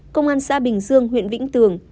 công an xã bình dương huyện vĩnh tường